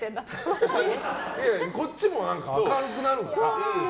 こっちも明るくなる。